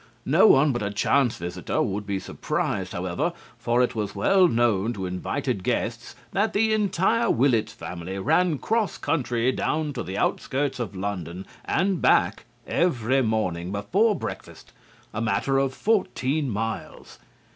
No one but a chance visitor would be surprised, however, for it was well known to invited guests that the entire Willetts family ran cross country down to the outskirts of London and back every morning before breakfast, a matter of fourteen miles.